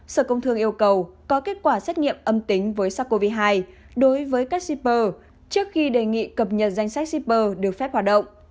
sở công thương yêu cầu có kết quả xét nghiệm âm tính với sars cov hai đối với các shipper trước khi đề nghị cập nhật danh sách shipper được phép hoạt động